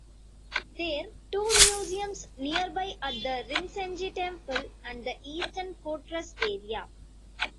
There two museums nearby at the Rinsenji Temple, and the Eastern Fortress area.